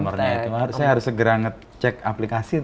nomornya itu harusnya harus segera ngecek aplikasi